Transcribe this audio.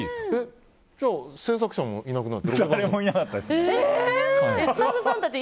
じゃあ制作者もいなくなって？